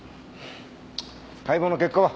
解剖の結果は？